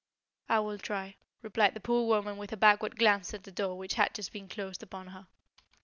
"I will try," replied the poor woman with a backward glance at the door which had just been closed upon her.